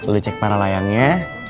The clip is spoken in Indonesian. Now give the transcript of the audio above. lo cek para layangnya